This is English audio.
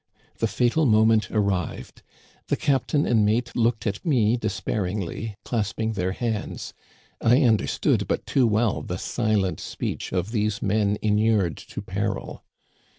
The fatal moment arrived. The captain and mate looked at me despairingly, clasping their hands. I understood but too well the silent speech of these men inured to peril.